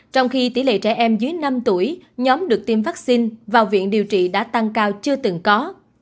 trong khi tỷ lệ trẻ em dưới năm tuổi nhóm được tiêm vaccine vào viện điều trị đã tăng cao chưa từng có